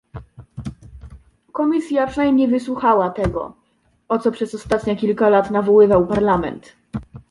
Komisja przynajmniej wysłuchała tego, o co przez ostatnie kilka lat nawoływał Parlament